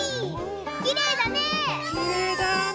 きれいだね！